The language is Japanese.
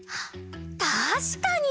たしかに！